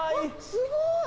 すごい！